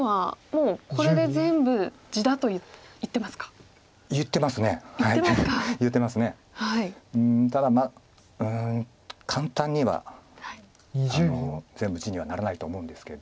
うんただ簡単には全部地にはならないと思うんですけど。